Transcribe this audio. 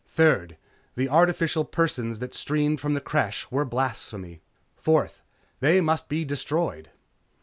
Third, the artificial persons that streamed from the Creche were blasphemy. Fourth, they must be destroyed.